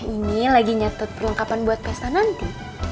ini lagi nyatut perlengkapan buat pesta nanti